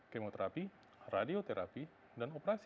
kemoterapi radioterapi dan operasi